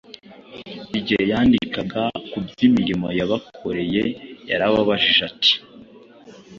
Igihe yandikaga ku by’imirimo yabakoreye, yarabajije ati: